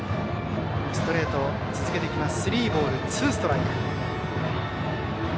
ストレートを続けてきました。